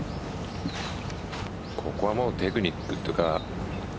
ここはテクニックというか。